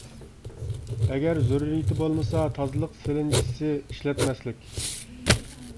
ئەگەر زۆرۈرىيىتى بولمىسا، تازىلىق سېلىنچىسى ئىشلەتمەسلىك.